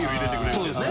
そうですね